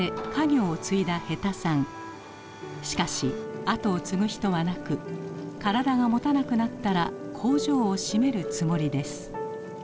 しかし跡を継ぐ人はなく体がもたなくなったら工場を閉めるつもりです。